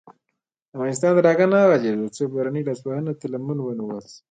افغانستان تر هغو نه ابادیږي، ترڅو بهرنۍ لاسوهنې ته لمن ونه وهل شي.